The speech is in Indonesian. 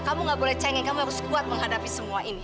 kamu gak boleh cengeng kamu harus kuat menghadapi semua ini